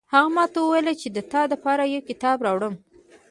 هغې ماته وویل چې د تا د پاره یو کتاب راوړم